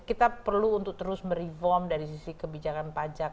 kita perlu untuk terus mereform dari sisi kebijakan pajak